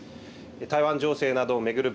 台湾情勢などを巡る